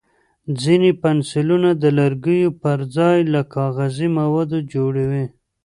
ځینې پنسلونه د لرګیو پر ځای له کاغذي موادو جوړ وي.